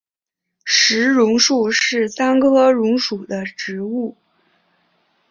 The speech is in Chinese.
石榕树是桑科榕属的植物。